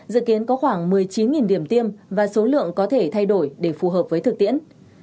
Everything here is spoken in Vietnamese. dự kiến có khoảng một mươi chín điểm tiêm và số lượng có thể thay đổi để phù hợp với thực tiễn